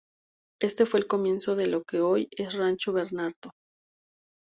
Este fue el comienzo de lo que hoy es Rancho Bernardo.